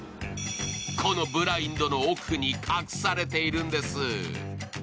このブラインドの奥に隠されているんです。